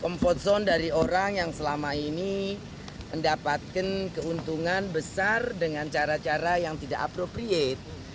omffort zone dari orang yang selama ini mendapatkan keuntungan besar dengan cara cara yang tidak appropreate